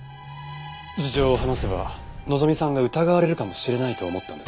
事情を話せば希美さんが疑われるかもしれないと思ったんですね？